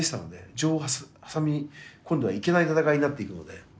情を挟み込んではいけない戦いになっていくので。